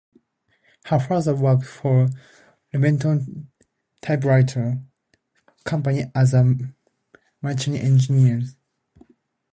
Her father worked for Remington Typewriter Company as a mechanical engineer.